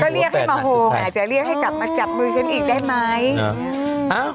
เรียกให้มาโฮมอาจจะเรียกให้กลับมาจับมือฉันอีกได้ไหม